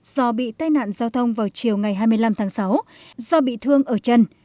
do bị tai nạn giao thông vào chiều ngày hai mươi năm tháng sáu do bị thương ở chân